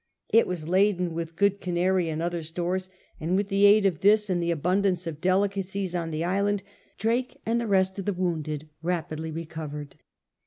It was laden with good Canary and other stores, and with the aid of this and the abundance of delicacies on the island Drake and the rest of the wounded rapidly recovered.